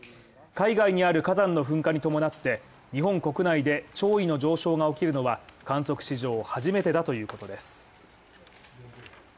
海外にある火山の噴火に伴って、日本国内で潮位の上昇が起きるのは観測史上初めてだということです。